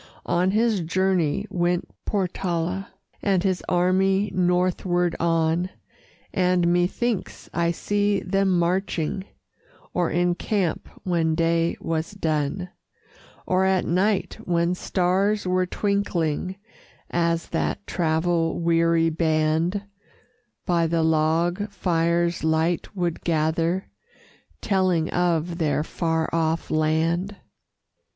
On his journey went Portala, And his army northward on, And methinks I see them marching, Or in camp when day was done; Or at night when stars were twinkling, As that travel weary band By the log fire's light would gather, Telling of their far off land.